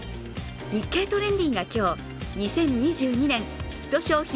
「日経トレンディ」が今日、２０２２年ヒット商品